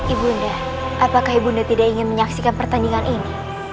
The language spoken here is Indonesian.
ibunda apakah ibunda tidak ingin menyaksikan pertandingan ini